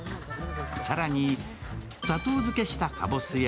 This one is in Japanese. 更に砂糖漬けしたかぼすや